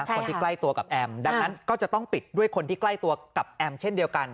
คนที่ใกล้ตัวกับแอมดังนั้นก็จะต้องปิดด้วยคนที่ใกล้ตัวกับแอมเช่นเดียวกัน